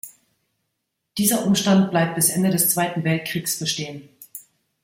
Dieser Umstand bleibt bis Ende des Zweiten Weltkriegs bestehen.